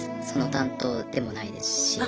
その担当でもないですし。